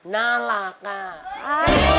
น่ารักอ่ะ